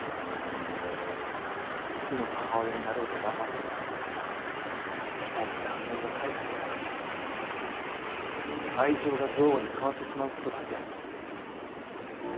実の母親になろうと頑張っても期待した反応が返ってこない時に愛情が憎悪に変わってしまう事だってあります。